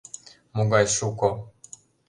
— Могай шуко...